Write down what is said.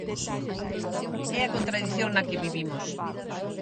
É a contradición na que vivimos.